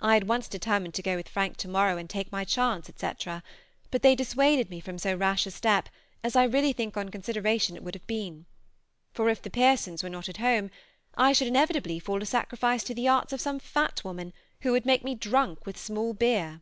I had once determined to go with Frank to morrow and take my chance, etc., but they dissuaded me from so rash a step as I really think on consideration it would have been; for if the Pearsons were not at home, I should inevitably fall a sacrifice to the arts of some fat woman who would make me drunk with small beer.